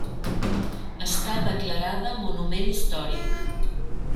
Està declarada monument històric.